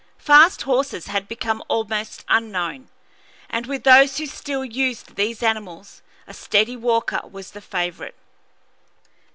Fast horses had become almost unknown, and with those who still used these animals a steady walker was the favorite.